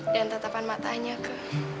dan tatapan matanya ke